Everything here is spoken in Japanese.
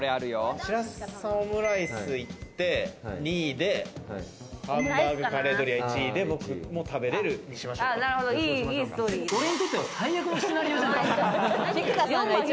白洲さん、オムライスいって２位で、ハンバーグカレードリア１位で僕も食べれる、にしましょ俺にとっては最悪のシナリオじゃん。